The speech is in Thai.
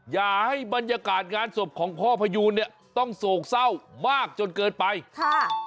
อย่าให้บรรยากาศงานศพของพ่อพยูนเนี่ยต้องโศกเศร้ามากจนเกินไปค่ะ